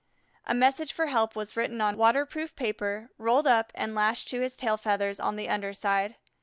A message for help was written on waterproof paper, rolled up, and lashed to his tail feathers on the under side.